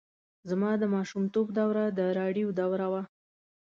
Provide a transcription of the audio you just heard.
زما د ماشومتوب دوره د راډیو دوره وه.